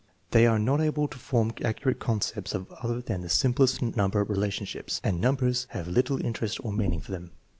They are not able to form accurate concepts of other than tlie simplest number relationships, and numbers have little interest or meaning for them.